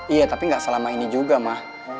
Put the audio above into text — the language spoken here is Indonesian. iya tapi gak selama ini juga ma